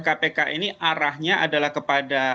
kpk ini arahnya adalah kepada